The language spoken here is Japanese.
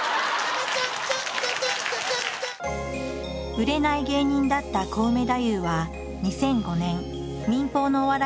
売れない芸人だったコウメ太夫は２００５年民放のお笑い番組に初出演。